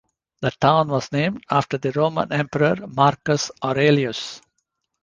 The town was named after the Roman emperor Marcus Aurelius.